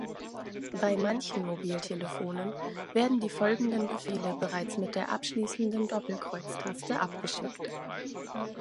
Bei manchen Mobiltelefonen werden die folgenden Befehle bereits mit der abschließenden Doppelkreuz-Taste abgeschickt.